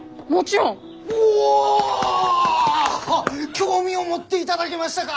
興味を持っていだだげましたが！